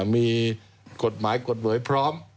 มีกฎหมายกฎหมายพร้อม